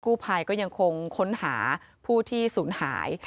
ผู้ภัยก็ยังคงค้นหาผู้ที่สูญหาย